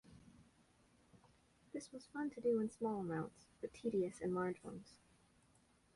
This was fun to do in small amounts, but tedious in large ones.